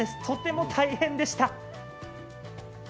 とても大変でした。